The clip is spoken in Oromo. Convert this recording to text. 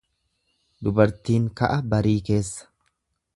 Dubartiin ka'a barii keessa.